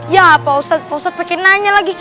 ya pak ustaz pak ustaz pengen nanya lagi